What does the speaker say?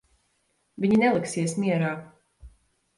Viņi neliksies mierā.